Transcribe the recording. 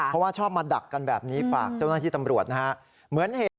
เพราะว่าชอบมาดักกันแบบนี้ฝากเจ้าหน้าที่ตำรวจนะฮะ